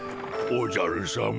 おじゃるさま。